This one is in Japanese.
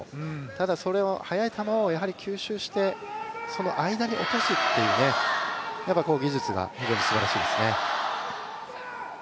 ただ、それを速い球を吸収して、その間に落とすという技術が非常にすばらしいですね。